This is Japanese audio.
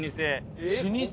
老舗。